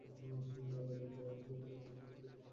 বেগুন পোড়ানো হয়ে গেলে পানিতে রেখে খোসা ছড়িয়ে বেগুন চটকিয়ে নিন।